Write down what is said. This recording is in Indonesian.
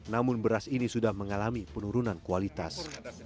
namun beras ini sudah mengalami penurunan kualitas